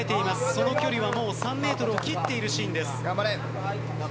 その距離はもう３メートルを切っているシーンです。